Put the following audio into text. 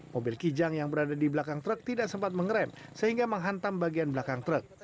mobil kijang yang berada di belakang truk tidak sempat mengerem sehingga menghantam bagian belakang truk